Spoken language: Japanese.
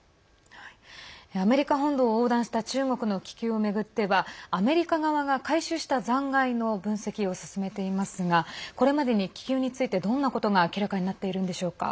アメリカ本土を横断した中国の気球を巡ってはアメリカ側が回収した残骸の分析を進めていますがこれまでに気球についてどんなことが明らかになっているんでしょうか。